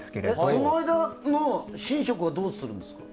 その間の寝食はどうするんですか？